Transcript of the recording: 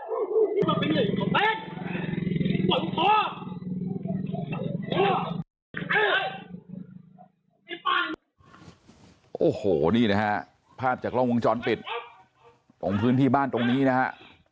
โอ้โหโน้นเนี้ยภาพจากล่องวงจรปิดตรงคืนที่บ้านตรงนี้นะคะ